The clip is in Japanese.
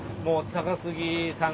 高杉さん。